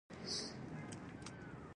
چېرته چې اوس د الاقصی جومات دی.